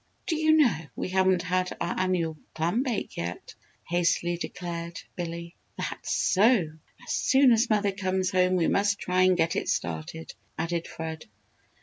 "Do you know, we haven't had our annual clam bake yet?" hastily declared Billy. "That's so! As soon as mother comes home we must try and get it started," added Fred.